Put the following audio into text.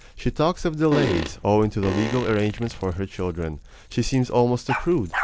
She talks of delays, owing to the legal arrangements for her children. She seems almost a prude.